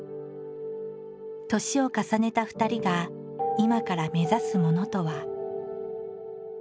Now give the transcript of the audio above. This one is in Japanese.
年を重ねた２人が今から目指すものとは。